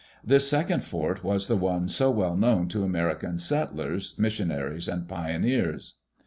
This second fort was the one so well known to American settlers, missionaries, and pioneers.